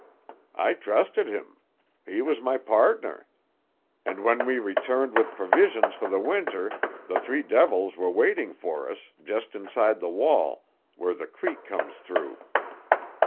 I trusted him; he was my pardner. And when we returned with proveesions for the Winter the three devils were waiting for us, just inside the wall, where the creek comes through.